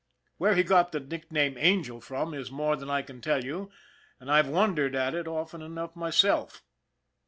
Where he got the nickname " Angel " from, is more than I can tell you, and I've wondered at it often enough myself.